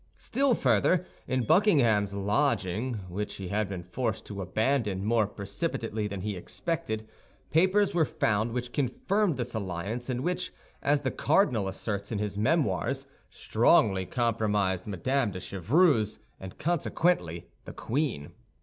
Still further, in Buckingham's lodging, which he had been forced to abandon more precipitately than he expected, papers were found which confirmed this alliance and which, as the cardinal asserts in his memoirs, strongly compromised Mme. de Chevreuse and consequently the queen.